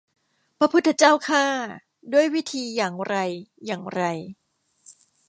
พระพุทธเจ้าข้า ด้วยวิธีอย่างไรอย่างไร